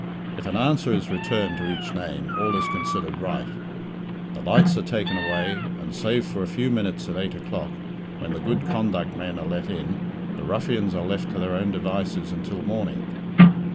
If an answer is returned to each name, all is considered right. The lights are taken away, and save for a few minutes at eight o'clock, when the good conduct men are let in, the ruffians are left to their own devices until morning.